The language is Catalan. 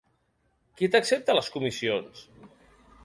Qui t’accepta les comissions?